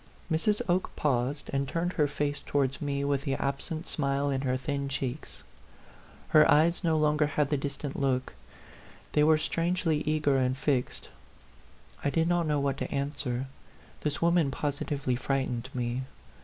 A PHANTOM LOVER. 83 Mrs. Oke paused, and turned her face tow ards me with the absent smile in her thin cheeks; her eyes no longer had that distant look they were strangely eager and fixed. I did not know what to answer ; this woman positively frightened me.